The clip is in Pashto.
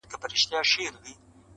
په خپل زړه یې د دانې پر لور ګزر سو -